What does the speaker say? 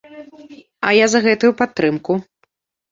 А я за гэтую падтрымку.